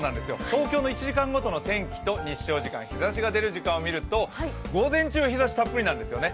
東京の１時間ごとの天気と日照時間日ざしが出る時間を見ると午前中日ざしたっぷりなんですよね。